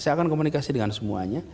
saya akan komunikasi dengan semuanya